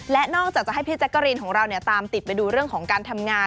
และนอกจากให้พี่แจ็คเกอรีนตามติดไปดูเรื่องของการทำงาน